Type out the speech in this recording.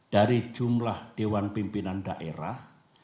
dari jumlah dewan pimpinan daerah